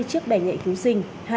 ba mươi chiếc bè nhẹ cứu sinh